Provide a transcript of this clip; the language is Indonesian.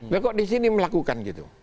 beliau kok di sini melakukan gitu